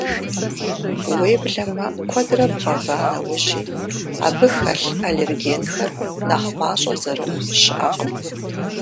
Уеблэмэ, куэдрэ бгъэва нэужьи, абы хэлъ аллергенхэр нэхъ мащӏэ зэрыхъу щыӏэкъым.